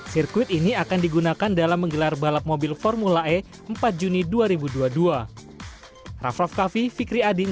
sirkuit ini akan digunakan dalam menggelar balap mobil formula e empat juni dua ribu dua puluh dua